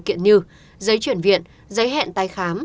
các điều kiện như giấy chuyển viện giấy hẹn tai khám